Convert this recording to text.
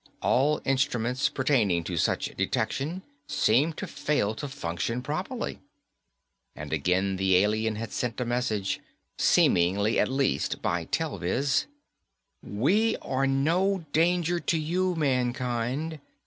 All instruments pertaining to such detection seemed to fail to function properly. And again the alien had sent a message seemingly, at least, by telviz. _We are no danger to you, mankind.